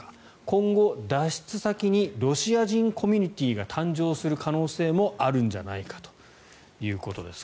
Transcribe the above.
今後、脱出先にロシア人コミュニティーが誕生する可能性もあるんじゃないかということです。